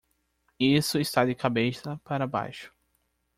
Isso está de cabeça para baixo.